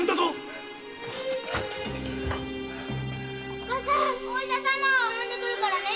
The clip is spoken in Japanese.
おっかさんお医者様を呼んでくるからね！